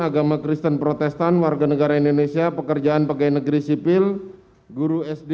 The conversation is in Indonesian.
agama kristen protestan warga negara indonesia pekerjaan pegawai negeri sipil guru sd